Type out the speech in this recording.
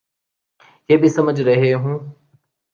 یہ بھی سمجھ رہے ہوں۔